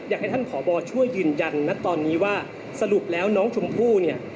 อยากให้ท่านผอบอช่วยยืนยันนะตอนนี้ว่าสรุปแล้วน้องชมพู่เนี่ย